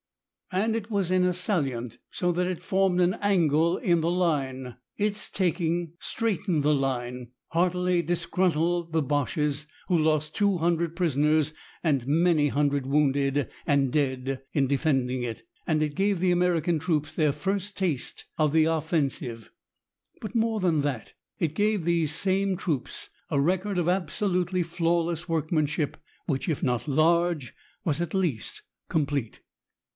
And it was in a salient, so that it formed an angle in the line. Its taking straightened the line, heartily disgruntled the Boches, who lost 200 prisoners and many hundred wounded and dead in defending it, and it gave the American troops their first taste of the offensive. But more than all that, it gave these same troops a record of absolutely flawless workmanship which, if not large, was at least complete.